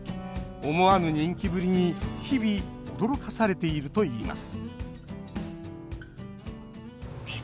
思わぬ人気ぶりに日々驚かされているといいます